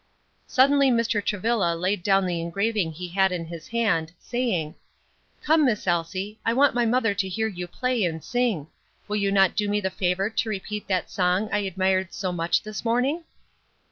Suddenly Mr. Travilla laid down the engraving he had in his hand, saying: "Come, Miss Elsie, I want my mother to hear you play and sing; will you not do me the favor to repeat that song I admired so much this morning?"